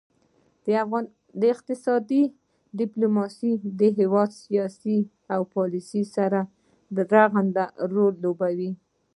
اقتصادي ډیپلوماسي د هیواد سیاست او پالیسي سره رغند رول لوبوي